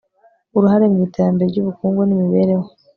uruhare mu iterambere ry'ubukungu n'imibereho